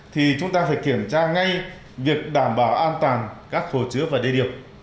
thì chúng ta phải kiểm tra ngay việc đảm bảo an toàn các khổ chứa và đê điệp